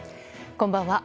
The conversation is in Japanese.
こんばんは。